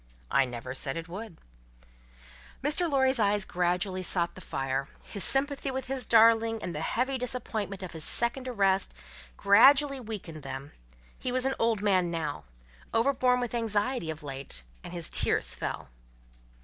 "I never said it would." Mr. Lorry's eyes gradually sought the fire; his sympathy with his darling, and the heavy disappointment of his second arrest, gradually weakened them; he was an old man now, overborne with anxiety of late, and his tears fell.